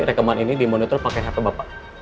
rekaman ini dimonitor pakai hp bapak